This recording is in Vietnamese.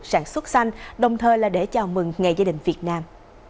sản xuất xanh đồng thời là để chào mừng ngày gia đình việt nam